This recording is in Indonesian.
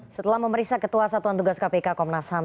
setelah memeriksa ketua satuan tugas kpk komnas ham